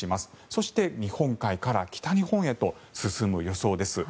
そして、日本海から北日本へと進む予想です。